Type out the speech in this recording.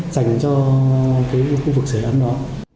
dành cho khu vực sửa ấm đó